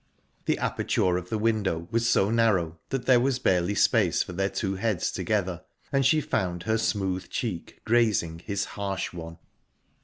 The aperture of the window was so narrow that there was barely space for their two heads together, and she found her smooth cheek grazing his harsh one.